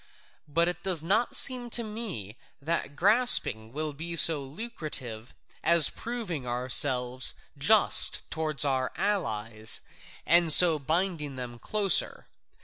But it does not seem to me that grasping will be so lucrative as proving ourselves just toward our allies, and so binding them closer.